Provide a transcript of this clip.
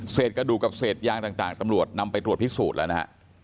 กระดูกกับเศษยางต่างตำรวจนำไปตรวจพิสูจน์แล้วนะฮะ